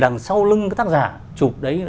đằng sau lưng tác giả chụp đấy